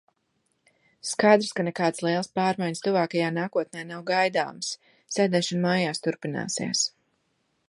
Skaidrs, ka nekādas lielas pārmaiņas tuvākajā nākotnē nav gaidāmas, sēdēšana mājās turpināsies.